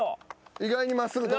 意外に真っすぐ飛んだ。